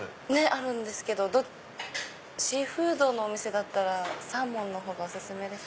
あるんですけどシーフードのお店だったらサーモンの方がお薦めですか？